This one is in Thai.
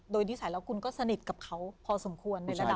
โดยนิสัยแล้วคุณก็สนิทกับเขาพอสมควรในระดับ